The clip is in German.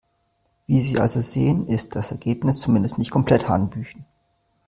Wie Sie also sehen, ist das Ergebnis zumindest nicht komplett hanebüchen.